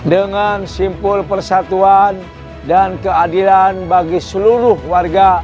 dengan simpul persatuan dan keadilan bagi seluruh warga